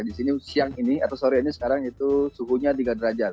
di sini siang ini atau sore ini sekarang itu suhunya tiga derajat